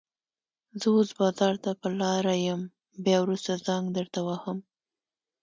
زه اوس بازار ته په لاره يم، بيا وروسته زنګ درته وهم.